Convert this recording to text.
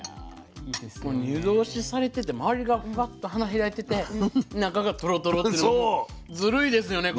湯通しされてて周りがフワッと花開いてて中がトロトロっていうのはもうずるいですよね